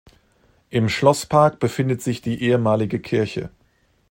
Im Schlosspark befindet sich die ehemalige Kirche.